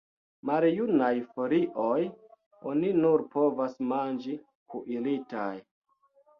Maljunaj folioj oni nur povas manĝi kuiritaj.